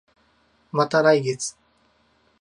また来月